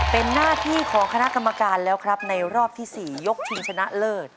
เป็นหน้าที่ของคณะกรรมการแล้วครับในรอบที่๔ยกชิงชนะเลิศ